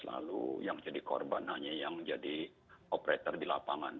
lalu yang jadi korban hanya yang jadi operator di lapangan